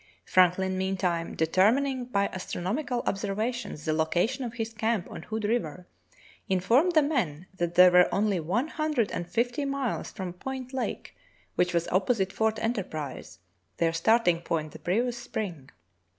Franklin, meantime, determining by astronomical ob servations the location of his camp on Hood River, in formed the men that they were only one hundred and fift}^ miles from Point Lake, which was opposite Fort Enterprise, their starting point the previous spring.